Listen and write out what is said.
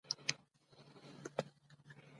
په پاکستان کي څلور سوه پنځوس مليونه پښتانه دي